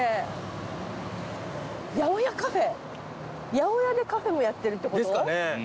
八百屋でカフェもやってるってこと？ですかね。